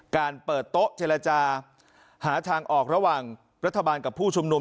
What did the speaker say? การเปิดโต๊ะเจรจาหาทางออกระหว่างรัฐบาลกับผู้ชุมนุม